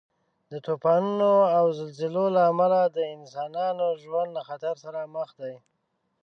د طوفانو او زلزلې له امله د انسانانو ژوند له خطر سره مخ دی.